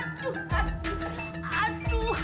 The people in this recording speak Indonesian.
aduh aduh aduh